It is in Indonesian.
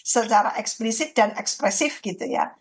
secara eksplisit dan ekspresif gitu ya